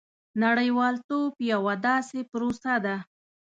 • نړیوالتوب یوه داسې پروسه ده.